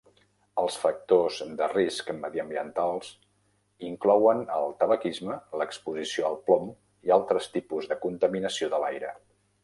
Els factors de risc mediambientals inclouen el tabaquisme, l"exposició al plom i altres tipus de contaminació de l"aire.